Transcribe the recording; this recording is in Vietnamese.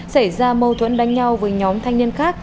xảy ra mâu thuẫn đánh nhau với nhóm thanh niên khác